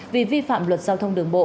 vì vi phạm luật giao thông đường bộ